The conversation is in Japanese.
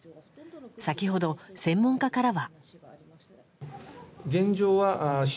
先ほど、専門家からは。